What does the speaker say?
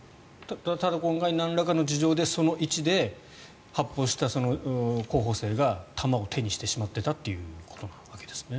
ただ、今回なんらかの事情でその位置で発砲した候補生が弾を手にしてしまっていたということなわけですね。